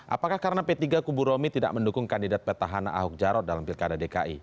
apakah karena p tiga kubu romi tidak mendukung kandidat petahana ahok jarot dalam pilkada dki